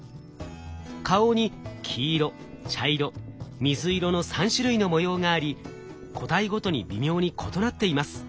顔に黄色茶色水色の３種類の模様があり個体ごとに微妙に異なっています。